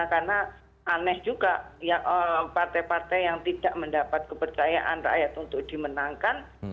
karena aneh juga partai partai yang tidak mendapat kepercayaan rakyat untuk dimenangkan